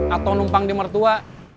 atau numpang di mertua